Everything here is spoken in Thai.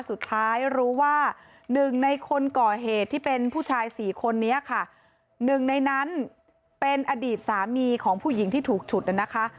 สุดท้ายรู้ว่าหนึ่งในคนก่อเหตุที่เป็นผู้ชายสี่คนนี้ค่ะหนึ่งในนั้นเป็นอดีตสามีของผู้หญิงที่ถูกฉุดนะคะ